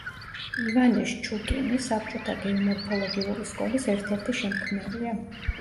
ივანე შჩუკინი საბჭოთა გეომორფოლოგიური სკოლის ერთ-ერთი შემქმნელია.